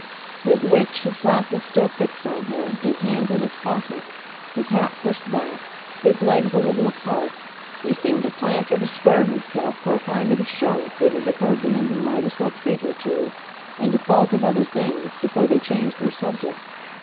With which, his glasses still fixed on her, his hands in his pockets, his hat pushed back, his legs a little apart, he seemed to plant or to square himself for a kind of assurance it had occurred to him he might as well treat her to, in default of other things, before they changed their subject.